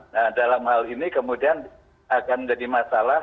nah dalam hal ini kemudian akan jadi masalah di laboratorium